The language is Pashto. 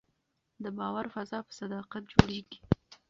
د باور فضا په صداقت جوړېږي